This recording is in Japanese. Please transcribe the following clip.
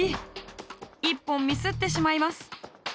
１本ミスってしまいます。